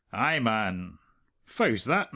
Ay, man! Fow's that, na?"